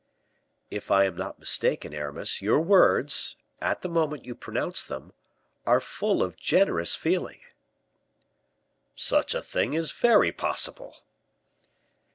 "If I am not mistaken, Aramis, your words at the moment you pronounce them are full of generous feeling." "Such a thing is very possible."